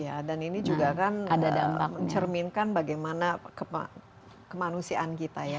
ya dan ini juga kan mencerminkan bagaimana kemanusiaan kita ya